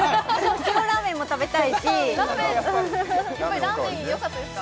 塩ラーメンも食べたいしラーメン良かったですか？